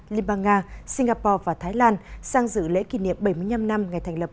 limba nga singapore và thái lan sang dự lễ kỷ niệm bảy mươi năm năm ngày thành lập